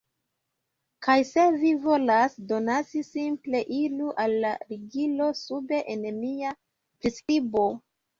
Kaj se vi volas donaci, simple iru al la ligilo sube en mia priskribo.